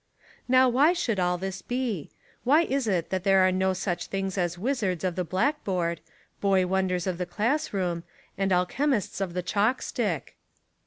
Now why should all this be? Why is it that there are no such things as wizards of the blackboard, boy wonders of the classroom, and alchemists of the chalk stick?